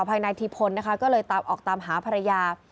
ขอพายนายทีพลนะคะก็เลยออกตามหาภรรยา